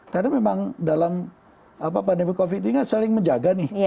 karena memang dalam pandemi covid ini kan saling menjaga nih